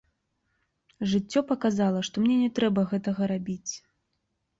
Жыццё паказала, што мне не трэба гэтага рабіць.